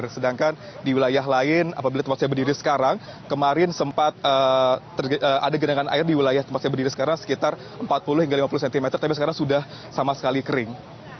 sedangkan di wilayah lain apabila tempat saya berdiri sekarang kemarin sempat ada genangan air di wilayah tempat saya berdiri sekarang sekitar empat puluh hingga lima puluh cm tapi sekarang sudah sama sekali kering